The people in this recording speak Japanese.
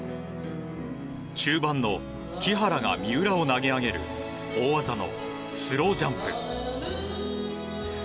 中盤の木原が三浦を投げ上げる大技のスロージャンプ。